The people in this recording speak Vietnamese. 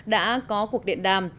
đã có cuộc điện đàm